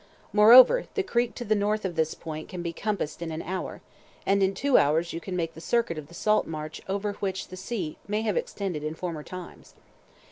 Moreover, the creek to the north of this point can be compassed in an hour, and in two hours you can make the circuit of the salt marsh over which the sea may have extended in former times.